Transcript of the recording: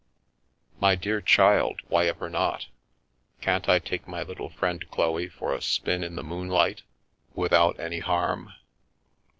" My dear child, why ever not ? Can't I take my little friend Chloe for a spin in the moonlight without any harm?